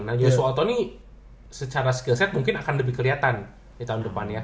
nah joso otto nih secara skillset mungkin akan lebih keliatan di tahun depan ya